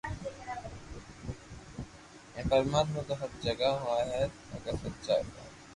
ھين پرماتما تو ھر جگھ ھوئي تو اگر سچا